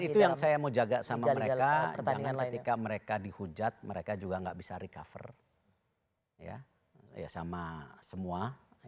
dan itu yang saya mau jaga sama mereka jangan ketika mereka dihujat mereka juga gak bisa recover ya sama semua